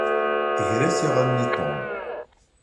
Ger-as iɣallen i Tom.